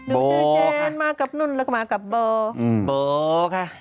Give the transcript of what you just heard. เบอร์ค่ะหนูชื่อเจนมากกับนุนและกับเบอร์ค่ะเบอร์ค่ะ